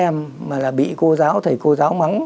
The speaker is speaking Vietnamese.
mà là bị cô giáo thầy cô giáo mắng